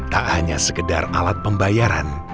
tak hanya sekedar alat pembayaran